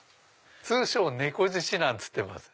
通称猫獅子なんつってます。